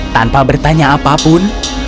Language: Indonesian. tanpa bertanya apapun